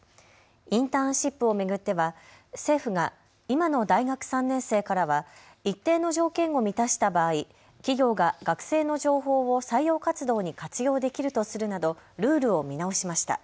インターンシップを巡っては政府が今の大学３年生からは一定の条件を満たした場合、企業が学生の情報を採用活動に活用できるとするなどルールを見直しました。